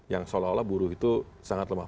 yang seolah olah buruh itu sangat lemah